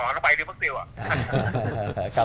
rồi tôi bấm luôn